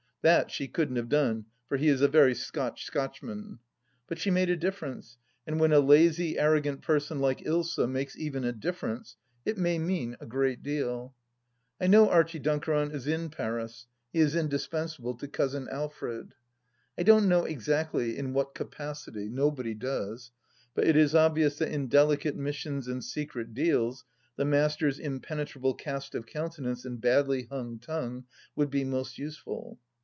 (That she couldn't have done, for he is a very Scotch Scotchman 1) But she made a difference, and when a lazy, arrogant person like Ilsa makes even a difference, it may mean a great deal. I know Archie Dunkeron is in Paris ; he is indispensable to Cousin Alfred. I don't exactly know in what capacity; nobody does ; but it is obvious that in delicate missions and secret deals the Master's impenetrable cast of countenance and badly hung tongue would be most useful.